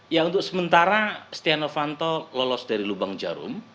ya untuk sementara setia novanto lolos dari lubang jarum